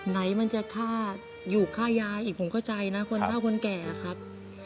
ไหนมันจะค่าอยู่ค่ายาอีกผมเข้าใจนะคนเท่าคนแก่ครับ